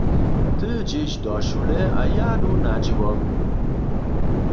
Ty dźeš do šule a ja du na dźěło.